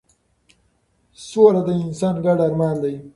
سوله د انسان ګډ ارمان دی